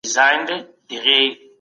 د سیلابونو مخنیوی څنګه کیږي؟